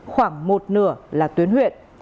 khoảng một nửa là tuyến huyện